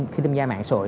khi tìm ra mạng sội